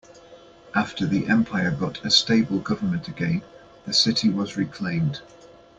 After the empire got a stable government again, the city was reclaimed.